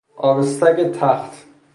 آبستگ تخت